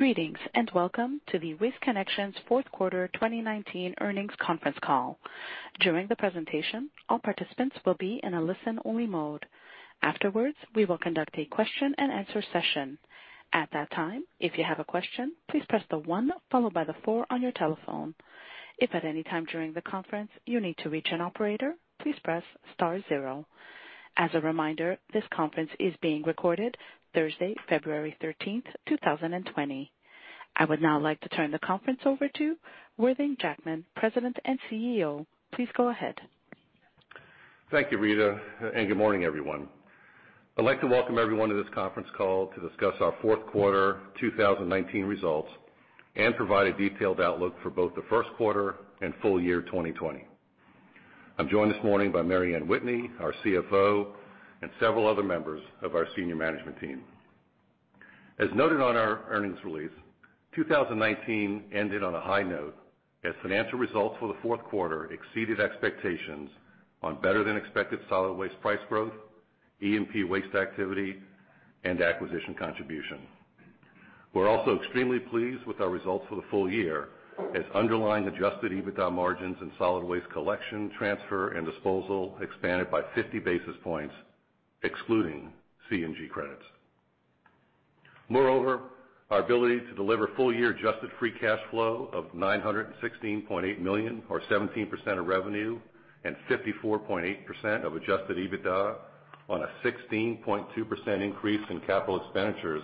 Greetings, and welcome to the Waste Connections fourth quarter 2019 earnings conference call. During the presentation, all participants will be in a listen-only mode. Afterwards, we will conduct a question and answer session. At that time, if you have a question, please press the one followed by the four on your telephone. If at any time during the conference you need to reach an operator, please press star zero. As a reminder, this conference is being recorded Thursday, February 13th, 2020. I would now like to turn the conference over to Worthing Jackman, President and CEO. Please go ahead. Thank you, Rita, and good morning, everyone. I'd like to welcome everyone to this conference call to discuss our fourth quarter 2019 results and provide a detailed outlook for both the first quarter and full year 2020. I'm joined this morning by Mary Anne Whitney, our CFO, and several other members of our senior management team. As noted on our earnings release, 2019 ended on a high note as financial results for the fourth quarter exceeded expectations on better than expected solid waste price growth, E&P waste activity, and acquisition contribution. We're also extremely pleased with our results for the full year as underlying adjusted EBITDA margins and solid waste collection, transfer, and disposal expanded by 50 basis points excluding CNG credits. Moreover, our ability to deliver full year adjusted free cash flow of $916.8 million or 17% of revenue and 54.8% of adjusted EBITDA on a 16.2% increase in capital expenditures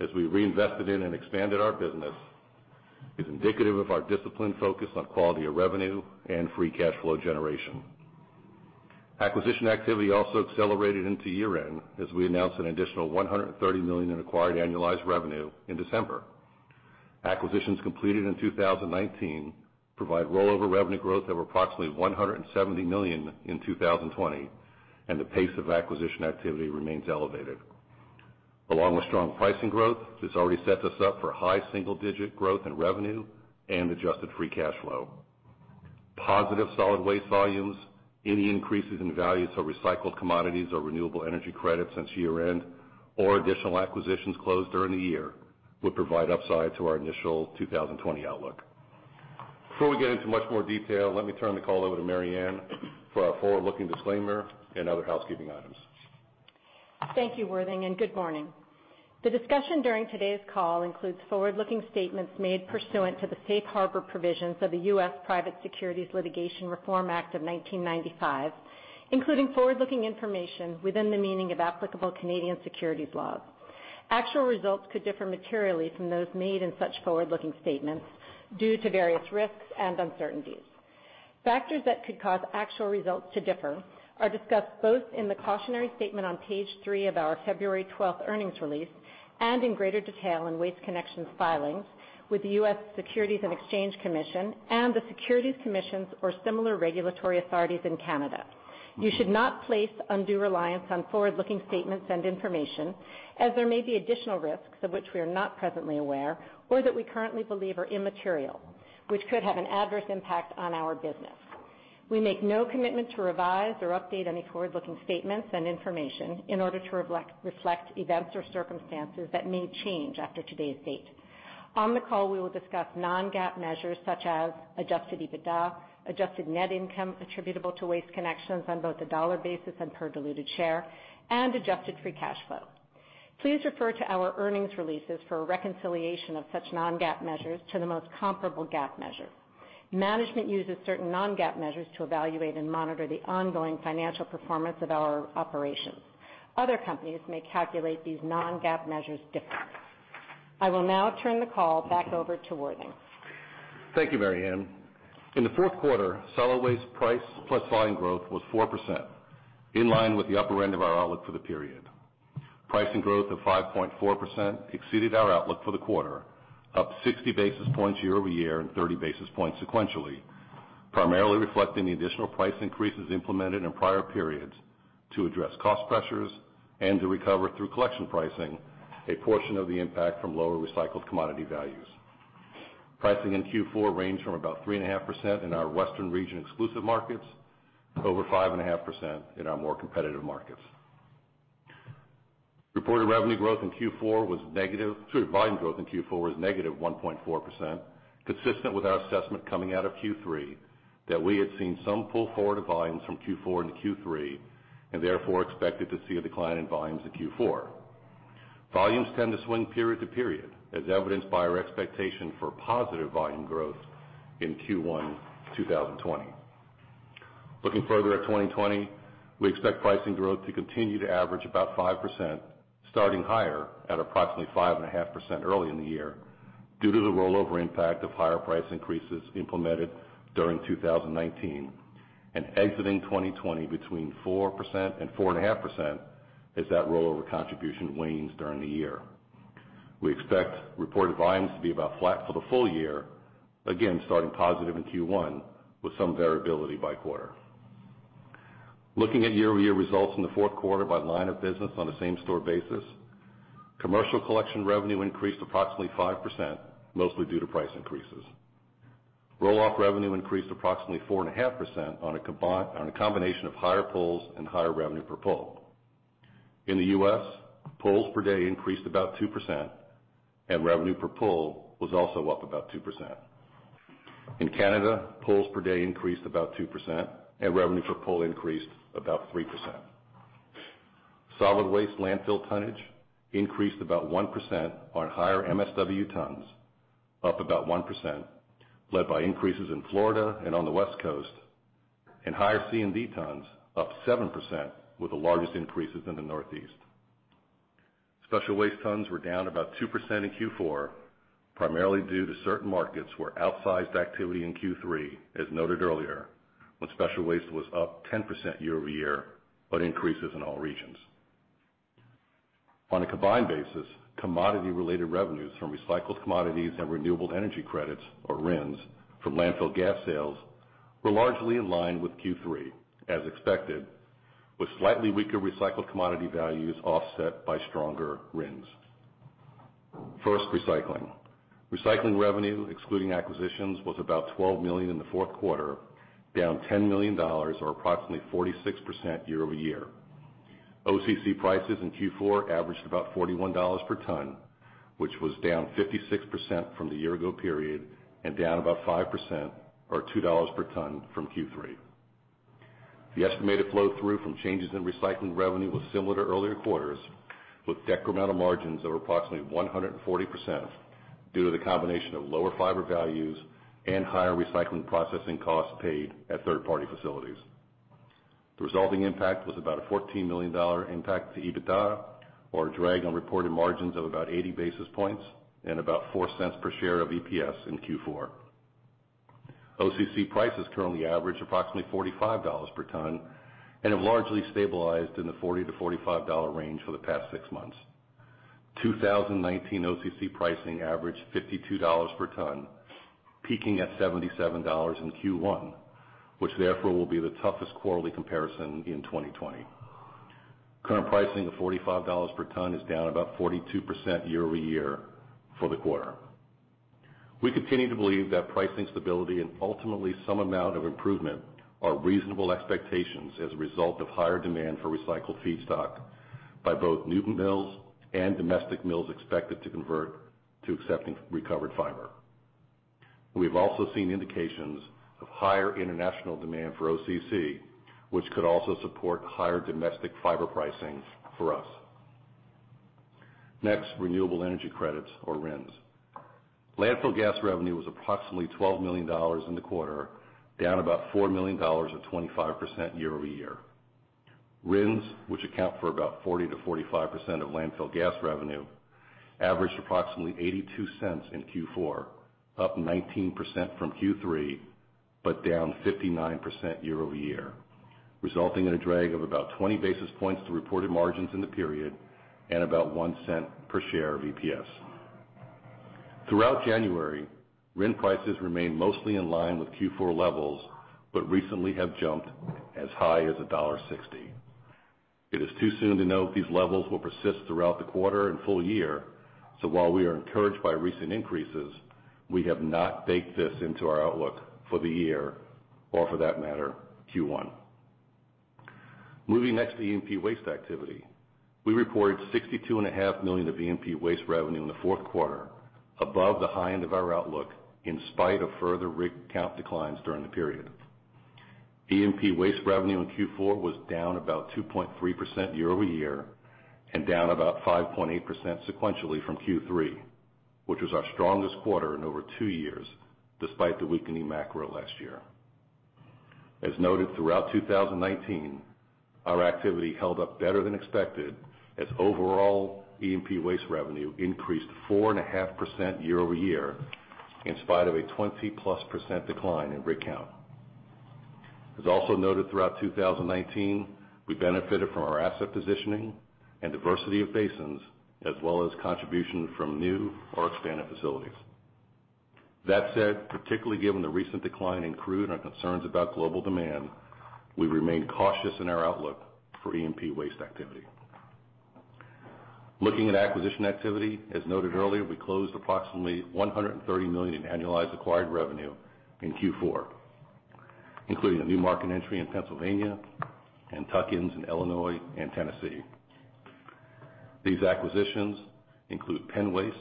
as we reinvested in and expanded our business, is indicative of our disciplined focus on quality of revenue and free cash flow generation. Acquisition activity also accelerated into year-end as we announced an additional $130 million in acquired annualized revenue in December. Acquisitions completed in 2019 provide rollover revenue growth of approximately $170 million in 2020, and the pace of acquisition activity remains elevated. Along with strong pricing growth, this already sets us up for high single-digit growth in revenue and adjusted free cash flow. Positive solid waste volumes, any increases in values of recycled commodities or renewable energy credits since year-end or additional acquisitions closed during the year would provide upside to our initial 2020 outlook. Before we get into much more detail, let me turn the call over to Mary Anne for our forward-looking disclaimer and other housekeeping items. Thank you, Worthing, and good morning. The discussion during today's call includes forward-looking statements made pursuant to the Safe Harbor Provisions of the U.S. Private Securities Litigation Reform Act of 1995, including forward-looking information within the meaning of applicable Canadian securities law. Actual results could differ materially from those made in such forward-looking statements due to various risks and uncertainties. Factors that could cause actual results to differ are discussed both in the cautionary statement on page three of our February 12th earnings release, and in greater detail in Waste Connections' filings with the U.S. Securities and Exchange Commission and the securities commissions or similar regulatory authorities in Canada. You should not place undue reliance on forward-looking statements and information, as there may be additional risks of which we are not presently aware or that we currently believe are immaterial, which could have an adverse impact on our business. We make no commitment to revise or update any forward-looking statements and information in order to reflect events or circumstances that may change after today's date. On the call, we will discuss non-GAAP measures such as adjusted EBITDA, adjusted net income attributable to Waste Connections on both a dollar basis and per diluted share, and adjusted free cash flow. Please refer to our earnings releases for a reconciliation of such non-GAAP measures to the most comparable GAAP measure. Management uses certain non-GAAP measures to evaluate and monitor the ongoing financial performance of our operations. Other companies may calculate these non-GAAP measures differently. I will now turn the call back over to Worthing. Thank you, Mary Anne. In the fourth quarter, solid waste price plus volume growth was 4%, in line with the upper end of our outlook for the period. Pricing growth of 5.4% exceeded our outlook for the quarter, up 60 basis points year-over-year and 30 basis points sequentially, primarily reflecting the additional price increases implemented in prior periods to address cost pressures and to recover through collection pricing a portion of the impact from lower recycled commodity values. Pricing in Q4 ranged from about 3.5% in our Western region exclusive markets to over 5.5% in our more competitive markets. Reported revenue growth in Q4 was negative. Excuse me. Volume growth in Q4 was -1.4%, consistent with our assessment coming out of Q3 that we had seen some pull forward of volumes from Q4 into Q3, and therefore expected to see a decline in volumes in Q4. Volumes tend to swing period to period, as evidenced by our expectation for positive volume growth in Q1 2020. Looking further at 2020, we expect pricing growth to continue to average about 5%, starting higher at approximately 5.5% early in the year due to the rollover impact of higher price increases implemented during 2019 and exiting 2020 between 4% and 4.5% as that rollover contribution wanes during the year. We expect reported volumes to be about flat for the full year, again, starting positive in Q1 with some variability by quarter. Looking at year-over-year results in the fourth quarter by line of business on a same-store basis, commercial collection revenue increased approximately 5%, mostly due to price increases. Roll-off revenue increased approximately 4.5% on a combination of higher pulls and higher revenue per pull. In the U.S., pulls per day increased about 2%, and revenue per pull was also up about 2%. In Canada, pulls per day increased about 2%, and revenue per pull increased about 3%. Solid waste landfill tonnage increased about 1% on higher MSW tons, up about 1%, led by increases in Florida and on the West Coast, and higher C&D tons up 7%, with the largest increases in the Northeast. Special waste tons were down about 2% in Q4, primarily due to certain markets where outsized activity in Q3, as noted earlier, when special waste was up 10% year-over-year, but increases in all regions. On a combined basis, commodity-related revenues from recycled commodities and renewable energy credits, or RECs, from landfill gas sales were largely in line with Q3, as expected, with slightly weaker recycled commodity values offset by stronger RINs. First, recycling. Recycling revenue, excluding acquisitions, was about $12 million in the fourth quarter, down $10 million or approximately 46% year-over-year. OCC prices in Q4 averaged about $41 per ton, which was down 56% from the year ago period and down about 5% or $2 per ton from Q3. The estimated flow-through from changes in recycling revenue was similar to earlier quarters, with decremental margins of approximately 140% due to the combination of lower fiber values and higher recycling processing costs paid at third-party facilities. The resulting impact was about a $14 million impact to EBITDA or a drag on reported margins of about 80 basis points and about $0.04 per share of EPS in Q4. OCC prices currently average approximately $45 per ton and have largely stabilized in the $40-$45 per ton range for the past six months. 2019 OCC pricing averaged $52 per ton, peaking at $77 in Q1, which therefore will be the toughest quarterly comparison in 2020. Current pricing of $45 per ton is down about 42% year-over-year for the quarter. We continue to believe that pricing stability and ultimately some amount of improvement are reasonable expectations as a result of higher demand for recycled feedstock by both new mills and domestic mills expected to convert to accepting recovered fiber. We have also seen indications of higher international demand for OCC, which could also support higher domestic fiber pricing for us. Next, renewable energy credits or RECs. Landfill gas revenue was approximately $12 million in the quarter, down about $4 million or 25% year-over-year. RINs, which account for about 40%-45% of landfill gas revenue, averaged approximately $0.82 in Q4, up 19% from Q3, but down 59% year-over-year, resulting in a drag of about 20 basis points to reported margins in the period and about $0.01 per share of EPS. Recently have jumped as high as $1.60. While we are encouraged by recent increases, we have not baked this into our outlook for the year or for that matter, Q1. Moving next to E&P waste activity. We reported $62.5 million of E&P waste revenue in the fourth quarter, above the high end of our outlook in spite of further rig count declines during the period. E&P waste revenue in Q4 was down about 2.3% year-over-year and down about 5.8% sequentially from Q3, which was our strongest quarter in over two years despite the weakening macro last year. As noted throughout 2019, our activity held up better than expected as overall E&P waste revenue increased 4.5% year-over-year in spite of a 20+% decline in rig count. As also noted throughout 2019, we benefited from our asset positioning and diversity of basins, as well as contribution from new or expanded facilities. That said, particularly given the recent decline in crude and concerns about global demand, we remain cautious in our outlook for E&P waste activity. Looking at acquisition activity, as noted earlier, we closed approximately $130 million in annualized acquired revenue in Q4, including a new market entry in Pennsylvania and tuck-ins in Illinois and Tennessee. These acquisitions include Penn Waste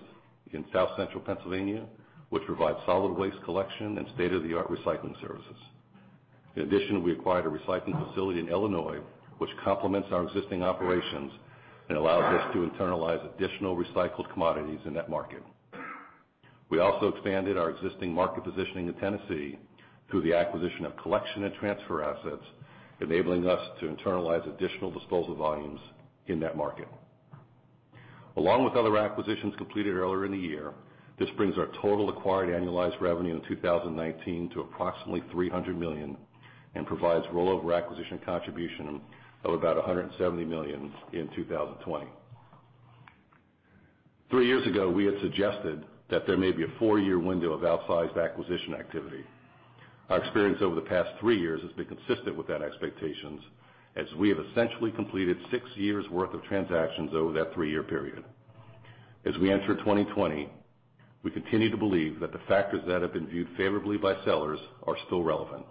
in South Central Pennsylvania, which provides solid waste collection and state-of-the-art recycling services. In addition, we acquired a recycling facility in Illinois, which complements our existing operations and allows us to internalize additional recycled commodities in that market. We also expanded our existing market positioning in Tennessee through the acquisition of collection and transfer assets, enabling us to internalize additional disposal volumes in that market. Along with other acquisitions completed earlier in the year, this brings our total acquired annualized revenue in 2019 to approximately $300 million and provides rollover acquisition contribution of about $170 million in 2020. Three years ago, we had suggested that there may be a four-year window of outsized acquisition activity. Our experience over the past three years has been consistent with that expectation, as we have essentially completed six years' worth of transactions over that three-year period. As we enter 2020, we continue to believe that the factors that have been viewed favorably by sellers are still relevant.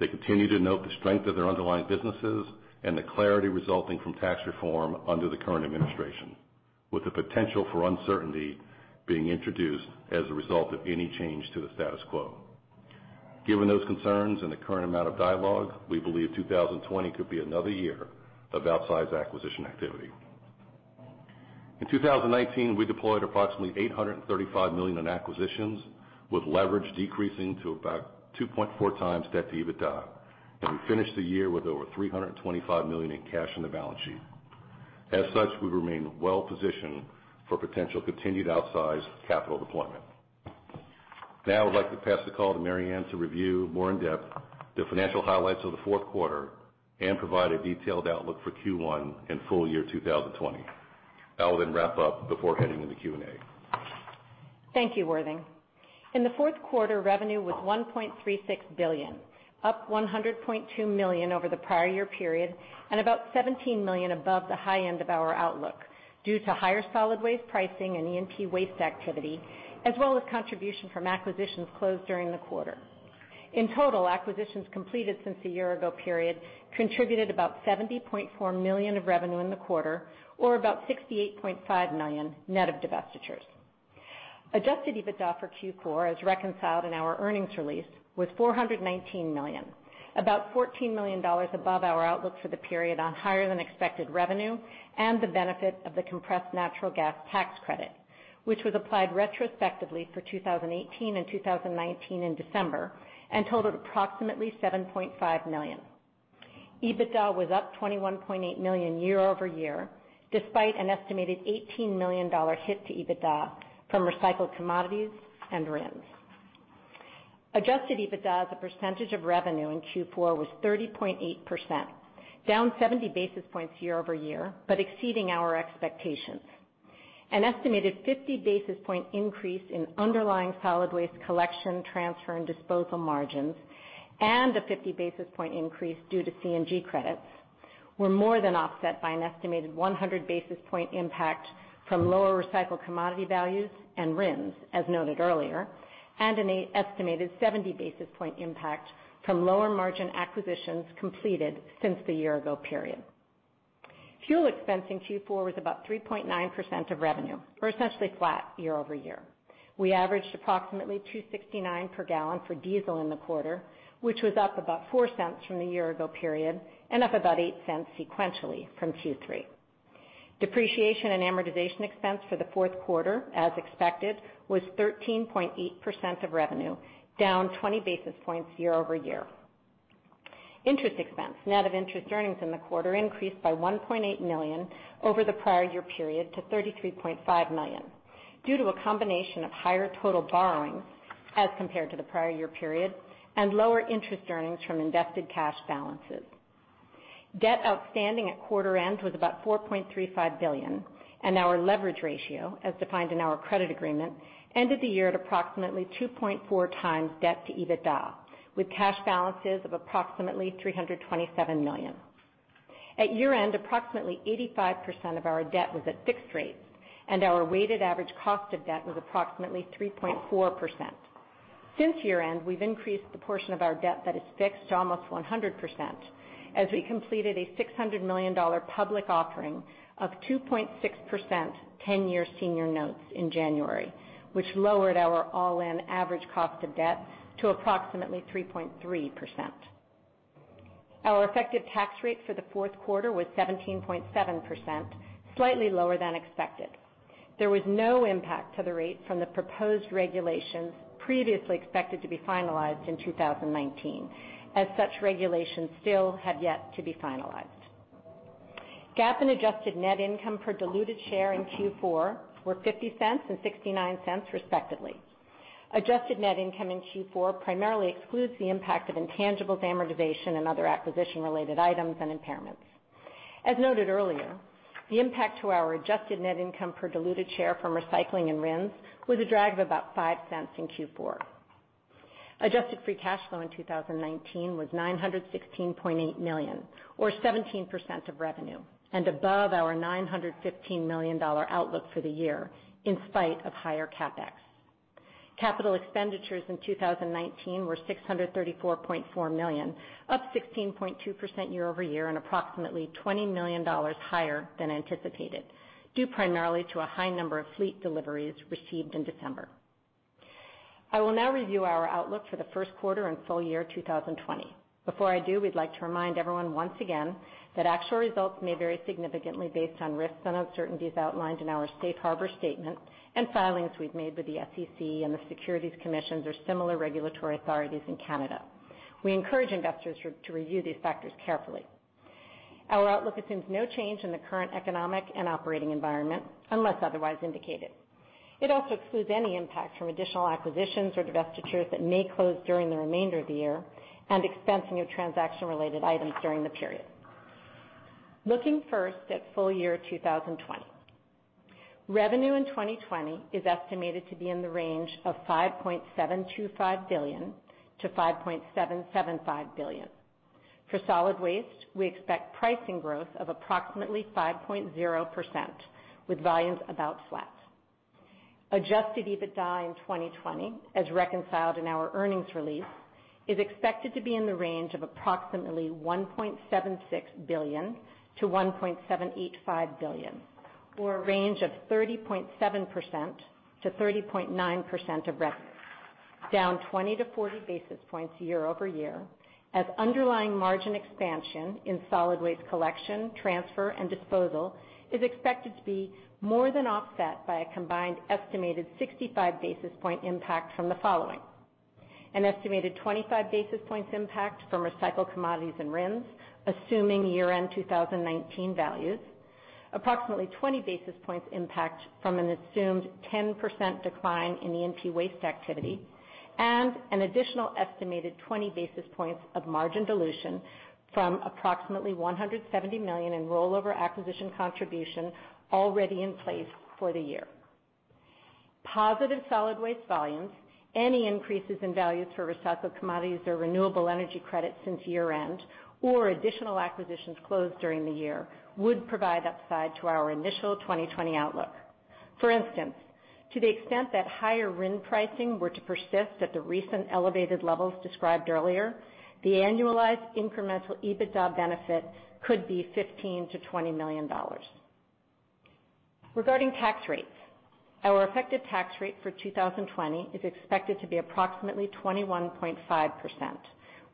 They continue to note the strength of their underlying businesses and the clarity resulting from tax reform under the current administration, with the potential for uncertainty being introduced as a result of any change to the status quo. Given those concerns and the current amount of dialogue, we believe 2020 could be another year of outsized acquisition activity. In 2019, we deployed approximately $835 million in acquisitions, with leverage decreasing to about 2.4 x debt to EBITDA, and we finished the year with over $325 million in cash on the balance sheet. As such, we remain well-positioned for potential continued outsized capital deployment. I would like to pass the call to Mary Anne to review more in depth the financial highlights of the fourth quarter and provide a detailed outlook for Q1 and full year 2020. I will then wrap up before heading into Q&A. Thank you, Worthing. In the fourth quarter, revenue was $1.36 billion, up $100.2 million over the prior year period and about $17 million above the high end of our outlook due to higher solid waste pricing and E&P waste activity, as well as contribution from acquisitions closed during the quarter. In total, acquisitions completed since the year ago period contributed about $70.4 million of revenue in the quarter, or about $68.5 million net of divestitures. Adjusted EBITDA for Q4, as reconciled in our earnings release, was $419 million, about $14 million above our outlook for the period on higher-than-expected revenue and the benefit of the compressed natural gas tax credit, which was applied retrospectively for 2018 and 2019 in December and totaled approximately $7.5 million. EBITDA was up $21.8 million year-over-year, despite an estimated $18 million hit to EBITDA from recycled commodities and RINs. Adjusted EBITDA as a percentage of revenue in Q4 was 30.8%, down 70 basis points year-over-year, but exceeding our expectations. An estimated 50-basis-point increase in underlying solid waste collection, transfer, and disposal margins and a 50-basis-point increase due to CNG credits were more than offset by an estimated 100-basis-point impact from lower recycled commodity values and RINs, as noted earlier, and an estimated 70-basis-point impact from lower margin acquisitions completed since the year-ago period. Fuel expense in Q4 was about 3.9% of revenue, or essentially flat year-over-year. We averaged approximately $2.69 per gallon for diesel in the quarter, which was up about $0.04 from the year-ago period and up about $0.08 sequentially from Q3. Depreciation and amortization expense for the fourth quarter, as expected, was 13.8% of revenue, down 20 basis points year-over-year. Interest expense, net of interest earnings in the quarter, increased by $1.8 million over the prior year period to $33.5 million due to a combination of higher total borrowings as compared to the prior year period and lower interest earnings from invested cash balances. Debt outstanding at quarter end was about $4.35 billion, and our leverage ratio, as defined in our credit agreement, ended the year at approximately 2.4 x debt to EBITDA, with cash balances of approximately $327 million. At year-end, approximately 85% of our debt was at fixed rates, and our weighted average cost of debt was approximately 3.4%. Since year-end, we've increased the portion of our debt that is fixed to almost 100% as we completed a $600 million public offering of 2.6% 10-year senior notes in January, which lowered our all-in average cost of debt to approximately 3.3%. Our effective tax rate for the fourth quarter was 17.7%, slightly lower than expected. There was no impact to the rate from the proposed regulations previously expected to be finalized in 2019, as such regulations still have yet to be finalized. GAAP and adjusted net income per diluted share in Q4 were $0.50 and $0.69, respectively. Adjusted net income in Q4 primarily excludes the impact of intangibles amortization and other acquisition-related items and impairments. As noted earlier, the impact to our adjusted net income per diluted share from recycling and RINs was a drag of about $0.05 in Q4. Adjusted free cash flow in 2019 was $916.8 million, or 17% of revenue, and above our $915 million outlook for the year in spite of higher CapEx. Capital expenditures in 2019 were $634.4 million, up 16.2% year-over-year and approximately $20 million higher than anticipated, due primarily to a high number of fleet deliveries received in December. I will now review our outlook for the first quarter and full year 2020. Before I do, we'd like to remind everyone once again that actual results may vary significantly based on risks and uncertainties outlined in our safe harbor statement and filings we've made with the SEC and the securities commissions or similar regulatory authorities in Canada. We encourage investors to review these factors carefully. Our outlook assumes no change in the current economic and operating environment, unless otherwise indicated. It also excludes any impact from additional acquisitions or divestitures that may close during the remainder of the year and expensing of transaction-related items during the period. Looking first at full year 2020. Revenue in 2020 is estimated to be in the range of $5.725 billion-$5.775 billion. For solid waste, we expect pricing growth of approximately 5.0%, with volumes about flat. Adjusted EBITDA in 2020, as reconciled in our earnings release, is expected to be in the range of approximately $1.76 billion-$1.785 billion, or a range of 30.7%-30.9% of revenue, down 20-40 basis points year-over-year as underlying margin expansion in solid waste collection, transfer, and disposal is expected to be more than offset by a combined estimated 65 basis point impact from the following: An estimated 25 basis points impact from recycled commodities and RINs, assuming year-end 2019 values. Approximately 20 basis points impact from an assumed 10% decline in E&P waste activity and an additional estimated 20 basis points of margin dilution from approximately $170 million in rollover acquisition contribution already in place for the year. Positive solid waste volumes, any increases in value for recycled commodities or renewable energy credits since year-end, or additional acquisitions closed during the year would provide upside to our initial 2020 outlook. For instance, to the extent that higher RINs pricing were to persist at the recent elevated levels described earlier, the annualized incremental EBITDA benefit could be $15 million-$20 million. Regarding tax rates, our effective tax rate for 2020 is expected to be approximately 21.5%,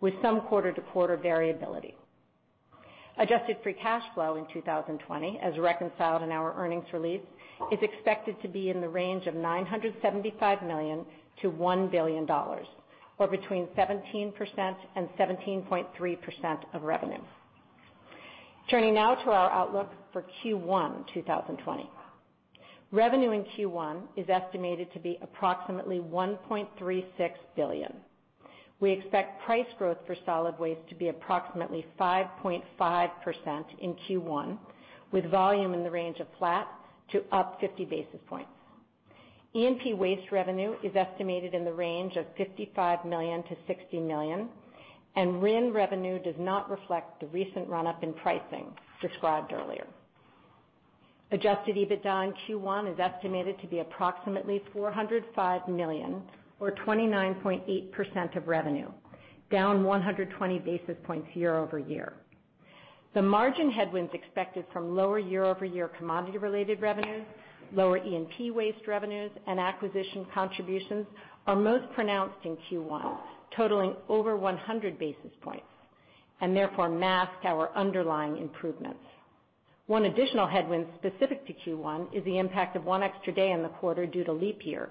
with some quarter-to-quarter variability. Adjusted free cash flow in 2020, as reconciled in our earnings release, is expected to be in the range of $975 million-$1 billion, or between 17% and 17.3% of revenue. Turning now to our outlook for Q1 2020. Revenue in Q1 is estimated to be approximately $1.36 billion. We expect price growth for solid waste to be approximately 5.5% in Q1, with volume in the range of flat to up 50 basis points. E&P Waste revenue is estimated in the range of $55 million-$60 million, and RINs revenue does not reflect the recent run-up in pricing described earlier. Adjusted EBITDA in Q1 is estimated to be approximately $405 million or 29.8% of revenue, down 120 basis points year-over-year. The margin headwinds expected from lower year-over-year commodity-related revenues, lower E&P Waste revenues, and acquisition contributions are most pronounced in Q1, totaling over 100 basis points, and therefore mask our underlying improvements. One additional headwind specific to Q1 is the impact of one extra day in the quarter due to leap year,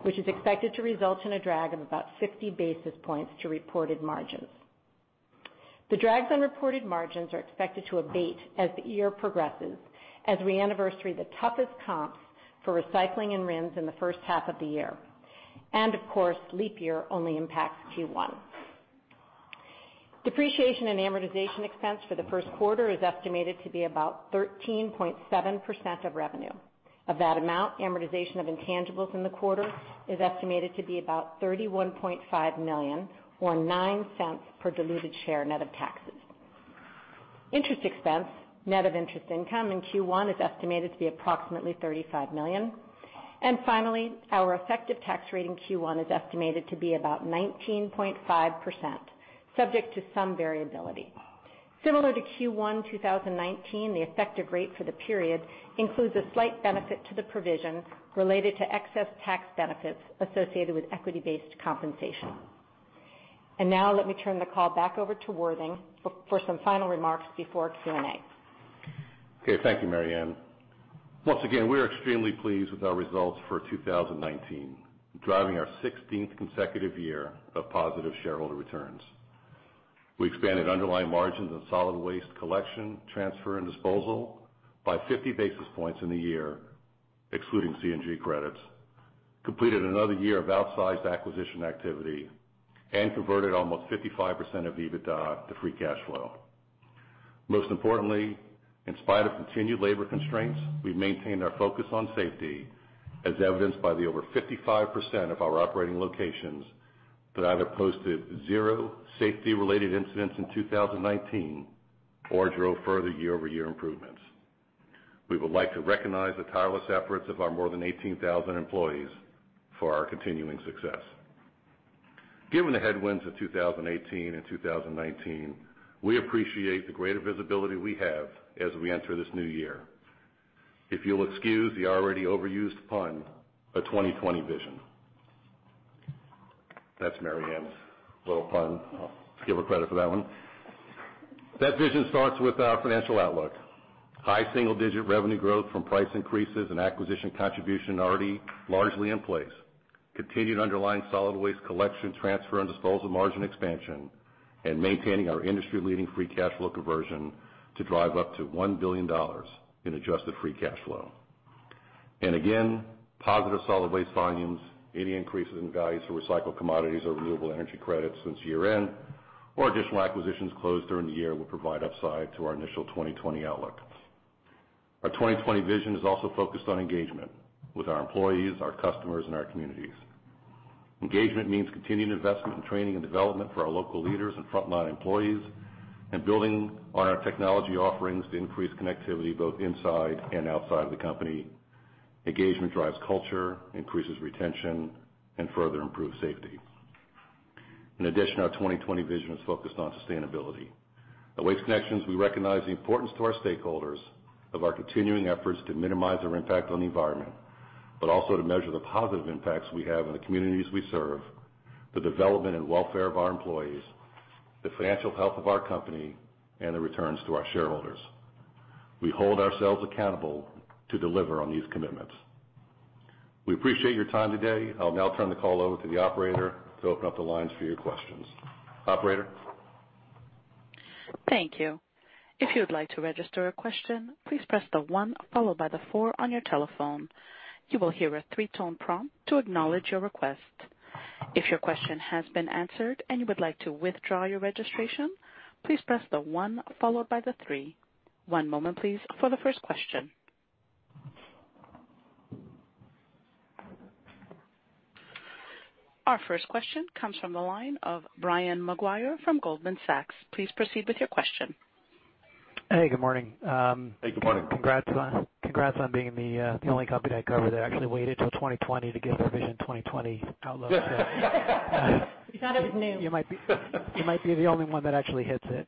which is expected to result in a drag of about 60 basis points to reported margins. The drags on reported margins are expected to abate as the year progresses as we anniversary the toughest comps for recycling and RINs in the first half of the year. Of course, leap year only impacts Q1. Depreciation and amortization expense for the first quarter is estimated to be about 13.7% of revenue. Of that amount, amortization of intangibles in the quarter is estimated to be about $31.5 million or $0.09 per diluted share net of taxes. Interest expense net of interest income in Q1 is estimated to be approximately $35 million. Finally, our effective tax rate in Q1 is estimated to be about 19.5%, subject to some variability. Similar to Q1 2019, the effective rate for the period includes a slight benefit to the provision related to excess tax benefits associated with equity-based compensation. Now let me turn the call back over to Worthing for some final remarks before Q&A. Okay. Thank you, Mary Anne. Once again, we are extremely pleased with our results for 2019, driving our 16th consecutive year of positive shareholder returns. We expanded underlying margins in solid waste collection, transfer, and disposal by 50 basis points in the year, excluding CNG credits, completed another year of outsized acquisition activity, and converted almost 55% of EBITDA to free cash flow. Most importantly, in spite of continued labor constraints, we've maintained our focus on safety, as evidenced by the over 55% of our operating locations that either posted zero safety-related incidents in 2019 or drove further year-over-year improvements. We would like to recognize the tireless efforts of our more than 18,000 employees for our continuing success. Given the headwinds of 2018 and 2019, we appreciate the greater visibility we have as we enter this new year. If you'll excuse the already overused pun, a 2020 vision. That's Mary Anne's little pun. I'll give her credit for that one. That vision starts with our financial outlook. High single-digit revenue growth from price increases and acquisition contribution already largely in place, continued underlying solid waste collection, transfer, and disposal margin expansion, and maintaining our industry-leading free cash flow conversion to drive up to $1 billion in adjusted free cash flow. Positive solid waste volumes, any increases in value for recycled commodities or renewable energy credits since year-end, or additional acquisitions closed during the year will provide upside to our initial 2020 outlook. Our 2020 vision is also focused on engagement with our employees, our customers, and our communities. Engagement means continued investment in training and development for our local leaders and frontline employees, and building on our technology offerings to increase connectivity both inside and outside the company. Engagement drives culture, increases retention, and further improves safety. Our 2020 vision is focused on sustainability. At Waste Connections, we recognize the importance to our stakeholders of our continuing efforts to minimize our impact on the environment, but also to measure the positive impacts we have on the communities we serve, the development and welfare of our employees, the financial health of our company, and the returns to our shareholders. We hold ourselves accountable to deliver on these commitments. We appreciate your time today. I'll now turn the call over to the operator to open up the lines for your questions. Operator? Thank you. If you would like to register a question, please press the one followed by the four on your telephone. You will hear a three-tone prompt to acknowledge your request. If your question has been answered and you would like to withdraw your registration, please press the one followed by the three. One moment, please, for the first question. Our first question comes from the line of Brian Maguire from Goldman Sachs. Please proceed with your question. Hey, good morning. Hey, good morning. Congrats on being the only company I cover that actually waited till 2020 to give their Vision 2020 outlook. We thought it was new. You might be the only one that actually hits it.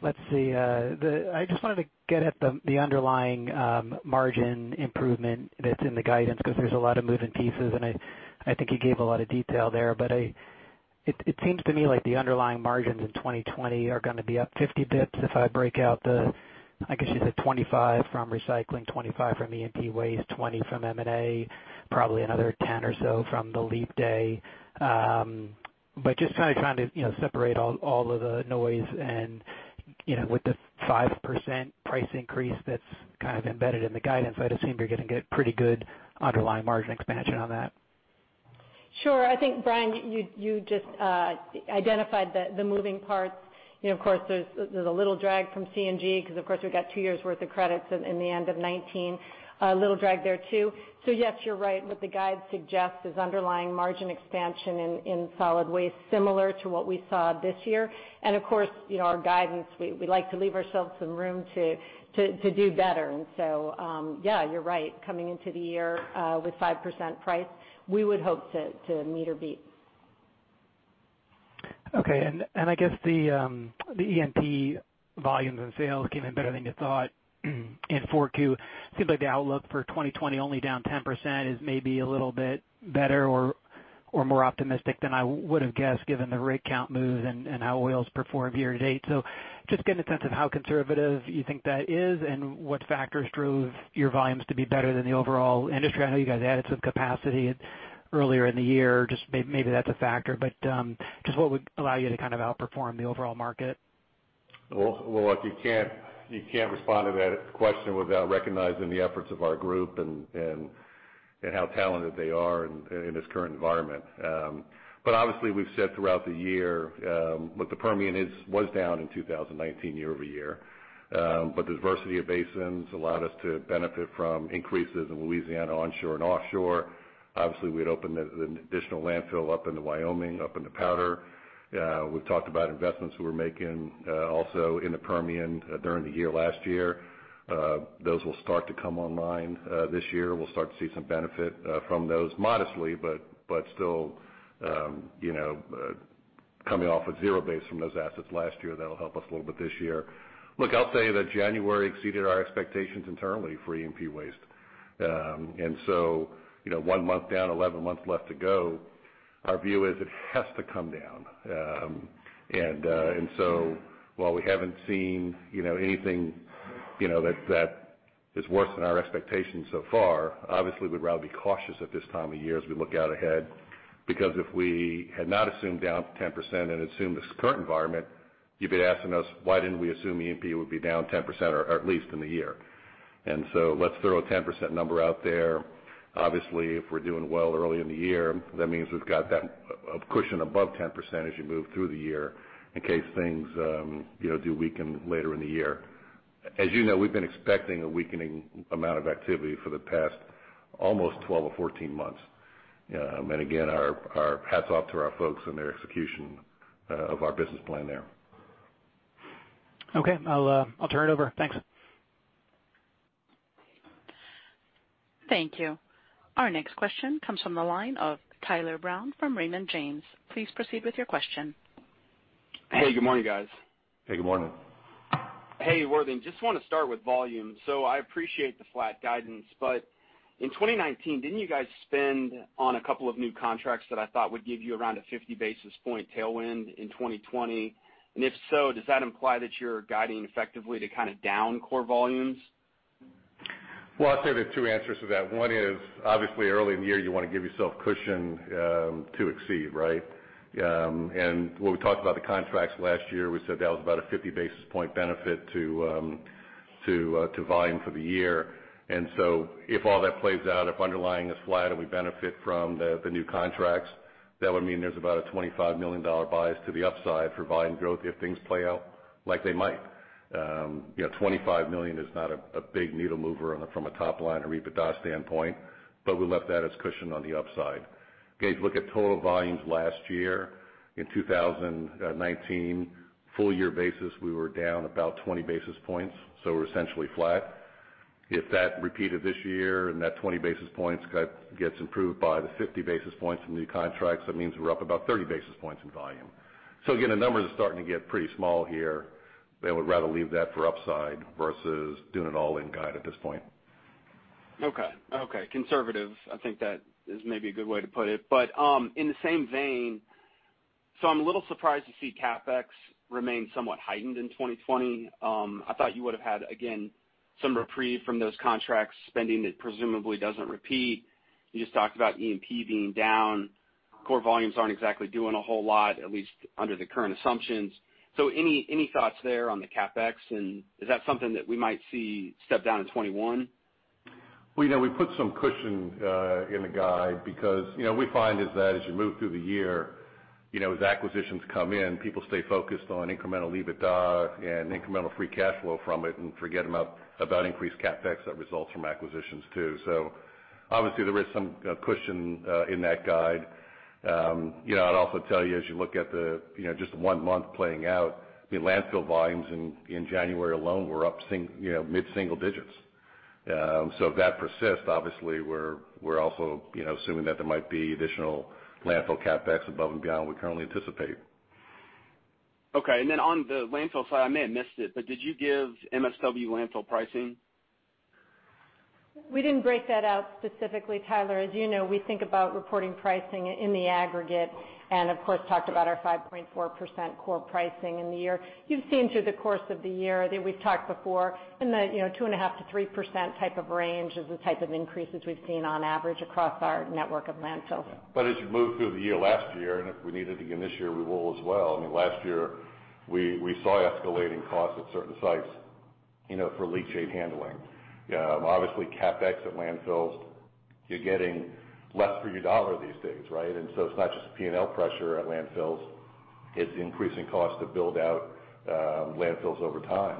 Let's see. I just wanted to get at the underlying margin improvement that's in the guidance, because there's a lot of moving pieces, and I think you gave a lot of detail there. It seems to me like the underlying margins in 2020 are going to be up 50 basis points. If I break out the, I guess you said 25 basis points from recycling, 25 basis points from E&P waste, 20 basis points from M&A, probably another 10 basis points or so from the leap day. Just kind of trying to separate all of the noise and with the 5% price increase that's kind of embedded in the guidance, it would seem you're going to get pretty good underlying margin expansion on that. Sure. I think, Brian, you just identified the moving parts. Of course, there's a little drag from CNG because, of course, we've got two years' worth of credits in the end of 2019. A little drag there, too. Yes, you're right. What the guide suggests is underlying margin expansion in solid waste, similar to what we saw this year. Of course, our guidance, we like to leave ourselves some room to do better. Yeah, you're right. Coming into the year with 5% price, we would hope to meet or beat. Okay. I guess the E&P volumes and sales came in better than you thought in Q4. Seems like the outlook for 2020, only down 10%, is maybe a little bit better or more optimistic than I would have guessed, given the rig count moves and how oil's performed year-to-date. Just getting a sense of how conservative you think that is and what factors drove your volumes to be better than the overall industry. I know you guys added some capacity earlier in the year. Just maybe that's a factor. Just what would allow you to kind of outperform the overall market? Look, you can't respond to that question without recognizing the efforts of our group and how talented they are in this current environment. Obviously, we've said throughout the year, the Permian was down in 2019 year-over-year. The diversity of basins allowed us to benefit from increases in Louisiana onshore and offshore. Obviously, we had opened an additional landfill up in Wyoming, up in the Powder. We've talked about investments we were making also in the Permian during the year last year. Those will start to come online this year. We'll start to see some benefit from those modestly, but still coming off a zero base from those assets last year, that'll help us a little bit this year. Look, I'll tell you that January exceeded our expectations internally for E&P waste. One month down, 11 months left to go, our view is it has to come down. While we haven't seen anything that is worse than our expectations so far, obviously, we'd rather be cautious at this time of year as we look out ahead, because if we had not assumed down 10% and assumed this current environment, you'd be asking us why didn't we assume E&P would be down 10% or at least in the year. Let's throw a 10% number out there. Obviously, if we're doing well early in the year, that means we've got that cushion above 10% as you move through the year in case things do weaken later in the year. As you know, we've been expecting a weakening amount of activity for the past almost 12 or 14 months. Again, our hats off to our folks and their execution of our business plan there. Okay. I'll turn it over. Thanks. Thank you. Our next question comes from the line of Tyler Brown from Raymond James. Please proceed with your question. Hey, good morning, guys. Hey, good morning. Hey, Worthing, just want to start with volume. I appreciate the flat guidance, but in 2019, didn't you guys spend on a couple of new contracts that I thought would give you around a 50 basis point tailwind in 2020? If so, does that imply that you're guiding effectively to kind of down core volumes? Well, I'd say there are two answers to that. One is, obviously, early in the year, you want to give yourself cushion to exceed, right? When we talked about the contracts last year, we said that was about a 50 basis point benefit to volume for the year. If all that plays out, if underlying is flat and we benefit from the new contracts, that would mean there's about a $25 million bias to the upside for volume growth if things play out like they might. $25 million is not a big needle mover from a top line or EBITDA standpoint, but we left that as cushion on the upside. Gage, look at total volumes last year. In 2019, full year basis, we were down about 20 basis points, so we're essentially flat. If that repeated this year and that 20 basis points gets improved by the 50 basis points from new contracts, that means we're up about 30 basis points in volume. Again, the numbers are starting to get pretty small here, and we'd rather leave that for upside versus doing it all in guide at this point. Okay. Conservative. I think that is maybe a good way to put it. In the same vein, I'm a little surprised to see CapEx remain somewhat heightened in 2020. I thought you would have had, again, some reprieve from those contracts spending that presumably doesn't repeat. You just talked about E&P being down. Core volumes aren't exactly doing a whole lot, at least under the current assumptions. Any thoughts there on the CapEx? Is that something that we might see step down in 2021? We put some cushion in the guide because we find is that as you move through the year, as acquisitions come in, people stay focused on incremental EBITDA and incremental free cash flow from it and forget about increased CapEx that results from acquisitions, too. Obviously there is some cushion in that guide. I'd also tell you, as you look at just the one month playing out, landfill volumes in January alone were up mid-single digits. If that persists, obviously we're also assuming that there might be additional landfill CapEx above and beyond what we currently anticipate. Okay. On the landfill side, I may have missed it, but did you give MSW Landfill pricing? We didn't break that out specifically, Tyler. As you know, we think about reporting pricing in the aggregate, and of course talked about our 5.4% core pricing in the year. You've seen through the course of the year, I think we've talked before, in the 2.5%-3% type of range is the type of increases we've seen on average across our network of landfills. As you moved through the year last year, and if we need it again this year, we will as well. Last year, we saw escalating costs at certain sites for leachate handling. Obviously CapEx at Landfills, you're getting less for your dollar these days, right? So it's not just P&L pressure at Landfills, it's increasing cost to build out landfills over time.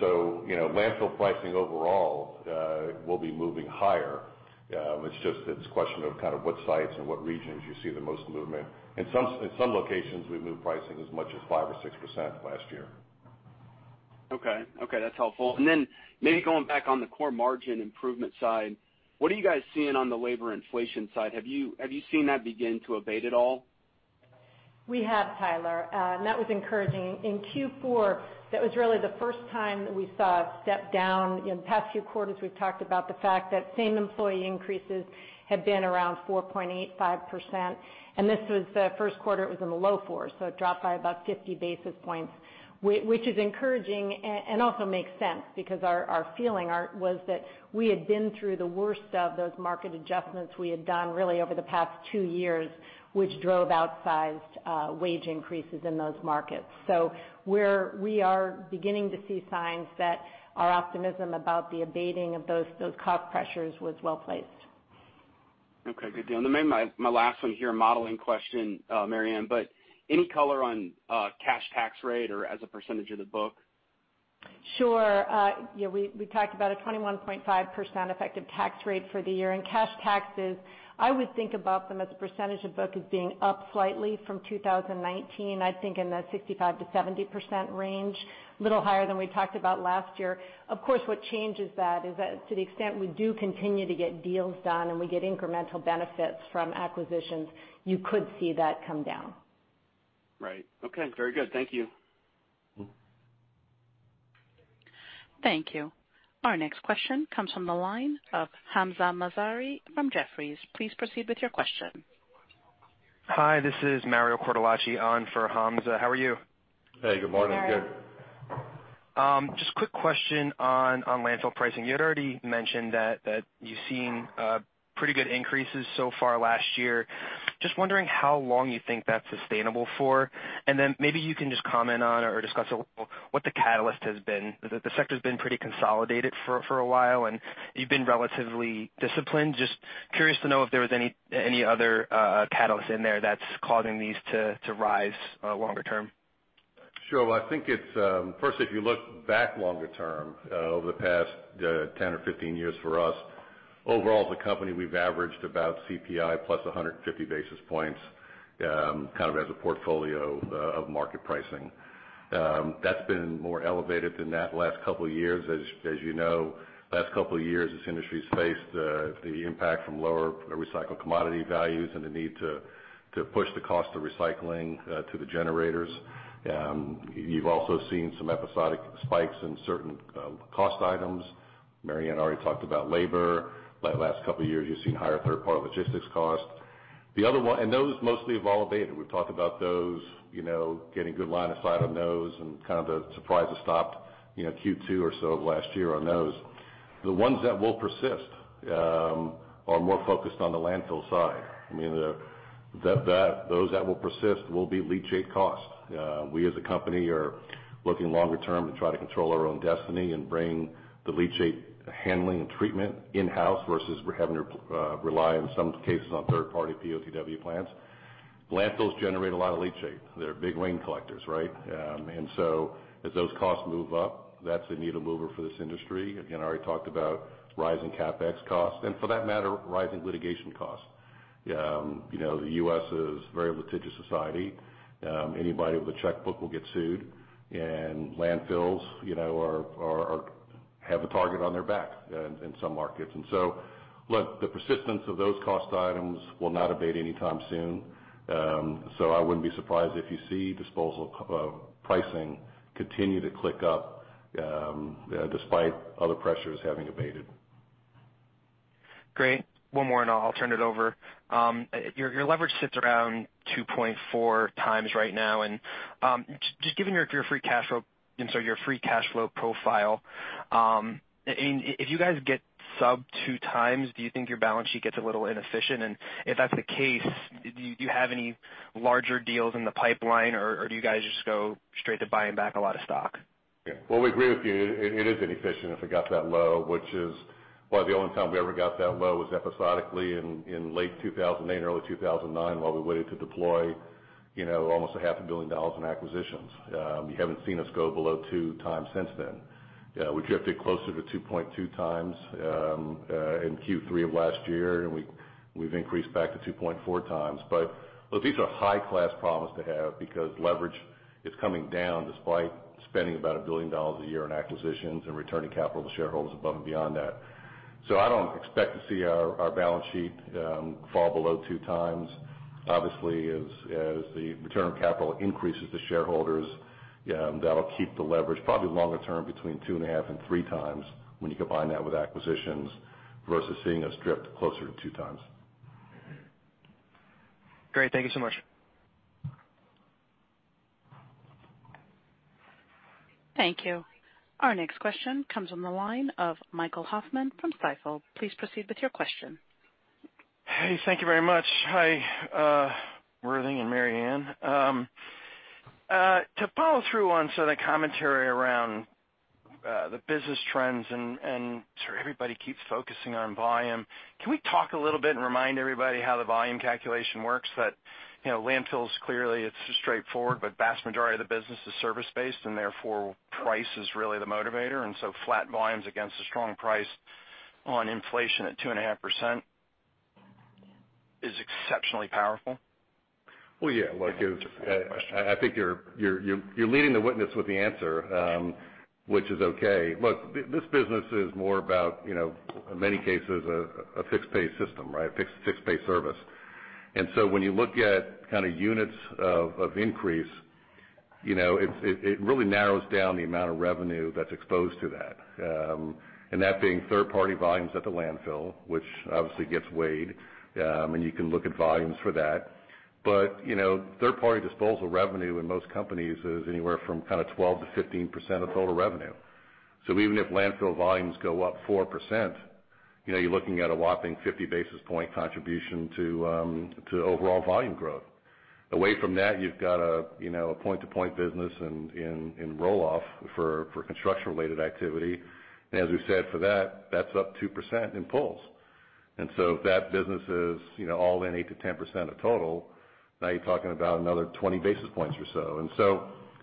So, Landfill pricing overall will be moving higher. It's just, it's a question of what sites and what regions you see the most movement. In some locations, we've moved pricing as much as 5% or 6% last year. Okay. That's helpful. Then maybe going back on the core margin improvement side, what are you guys seeing on the labor inflation side? Have you seen that begin to abate at all? We have, Tyler, and that was encouraging. In Q4, that was really the first time that we saw a step down. In past few quarters, we've talked about the fact that same employee increases have been around 4.85%, and this was the first quarter it was in the low fours, so it dropped by about 50 basis points, which is encouraging and also makes sense because our feeling was that we had been through the worst of those market adjustments we had done really over the past two years, which drove outsized wage increases in those markets. We are beginning to see signs that our optimism about the abating of those cost pressures was well-placed. Okay, good deal. My last one here, a modeling question, Mary Anne, any color on cash tax rate or as a percentage of the book? Sure. We talked about a 21.5% effective tax rate for the year. Cash taxes, I would think about them as a percentage of book as being up slightly from 2019, I think in the 65%-70% range, a little higher than we talked about last year. Of course, what changes that is that to the extent we do continue to get deals done and we get incremental benefits from acquisitions, you could see that come down. Right. Okay, very good. Thank you. Thank you. Our next question comes from the line of Hamzah Mazari from Jefferies. Please proceed with your question. Hi, this is Mario Cortellacci on for Hamzah. How are you? Hey, good morning. Good. Hi, Mario. Just a quick question on landfill pricing. You had already mentioned that you've seen pretty good increases so far last year. Just wondering how long you think that's sustainable for. Maybe you can just comment on or discuss a little what the catalyst has been. The sector's been pretty consolidated for a while. You've been relatively disciplined. Just curious to know if there was any other catalyst in there that's causing these to rise longer term. Sure. Well, I think it's, firstly, if you look back longer term, over the past 10 or 15 years for us, overall as a company, we've averaged about CPI plus 150 basis points as a portfolio of market pricing. That's been more elevated than that last couple of years. As you know, last couple of years, this industry's faced the impact from lower recycled commodity values and the need to push the cost of recycling to the generators. You've also seen some episodic spikes in certain cost items. Mary Anne already talked about labor. Last couple of years, you've seen higher third-party logistics costs. Those mostly have all abated. We've talked about those, getting good line of sight on those, and the surprises stopped Q2 or so of last year on those. The ones that will persist are more focused on the landfill side. Those that will persist will be leachate costs. We as a company are looking longer term to try to control our own destiny and bring the leachate handling and treatment in-house versus having to rely, in some cases, on third-party POTW plants. Landfills generate a lot of leachate. They're big rain collectors, right? As those costs move up, that's a needle mover for this industry. Again, I already talked about rising CapEx costs and for that matter, rising litigation costs. The U.S. is a very litigious society. Anybody with a checkbook will get sued, and landfills have a target on their backs in some markets. Look, the persistence of those cost items will not abate anytime soon. I wouldn't be surprised if you see disposal pricing continue to click up, despite other pressures having abated. Great. One more, and I'll turn it over. Your leverage sits around 2.4 x right now, and just given your free cash flow profile, if you guys get sub 2 x, do you think your balance sheet gets a little inefficient? If that's the case, do you have any larger deals in the pipeline, or do you guys just go straight to buying back a lot of stock? Yeah. Well, we agree with you. It is inefficient if it got that low. The only time we ever got that low was episodically in late 2008, early 2009, while we waited to deploy almost a half a billion dollars in acquisitions. You haven't seen us go below 2 x since then. We drifted closer to 2.2 x in Q3 of last year, and we've increased back to 2.4 x. Look, these are high-class problems to have because leverage is coming down despite spending about $1 billion a year on acquisitions and returning capital to shareholders above and beyond that. I don't expect to see our balance sheet fall below 2 x. Obviously, as the return on capital increases to shareholders, that'll keep the leverage probably longer term between 2.5 x and 3 x when you combine that with acquisitions, versus seeing us drift closer to 2 x. Great. Thank you so much. Thank you. Our next question comes on the line of Michael Hoffman from Stifel. Please proceed with your question. Hey, thank you very much. Hi, Worthing and Mary Anne. To follow through on some of the commentary around the business trends, and sort of everybody keeps focusing on volume. Can we talk a little bit and remind everybody how the volume calculation works? That landfills, clearly, it's straightforward, but the vast majority of the business is service-based, and therefore, price is really the motivator, and so flat volumes against a strong price on inflation at 2.5% is exceptionally powerful. Well, yeah. That's a fair question. I think you're leading the witness with the answer, which is okay. Look, this business is more about, in many cases, a fixed pay system, right? A fixed pay service. When you look at units of increase, it really narrows down the amount of revenue that's exposed to that, and that being third-party volumes at the landfill, which obviously gets weighed, and you can look at volumes for that. Third-party disposal revenue in most companies is anywhere from 12%-15% of total revenue. Even if landfill volumes go up 4%, you're looking at a whopping 50 basis point contribution to overall volume growth. Away from that, you've got a point-to-point business in roll-off for construction-related activity. As we've said for that's up 2% in pulls. That business is all in 8%-10% of total. Now you're talking about another 20 basis points or so.